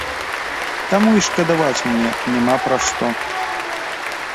Таму і шкадаваць мне няма пра што.